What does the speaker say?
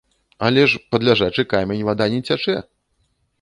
Але ж пад ляжачы камень вада не цячэ!